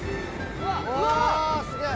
うわすげえ！